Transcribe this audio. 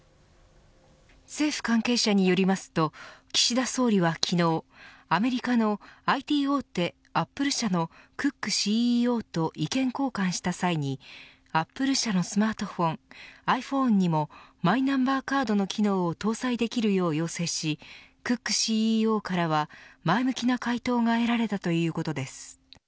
政府関係者によりますと岸田総理は昨日アメリカのＩＴ大手アップル社のクックＣＥＯと意見交換した際にアップル社のスマートフォンｉＰｈｏｎｅにもマイナンバーカードの機能を搭載できるよう要請しクックＣＥＯからは前向きな回答が得られたということです。